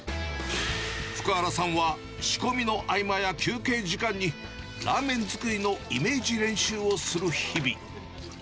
福原さんは仕込みの合間や、休憩時間に、ラーメン作りのイメージ練習をする日々。